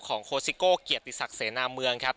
โคสิโก้เกียรติศักดิ์เสนาเมืองครับ